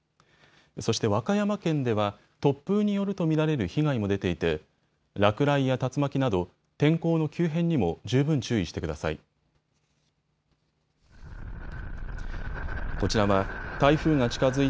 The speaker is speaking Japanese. そして和歌山県では突風によると見られる被害も出ていて落雷や竜巻など天候の急変にも十分注意してください。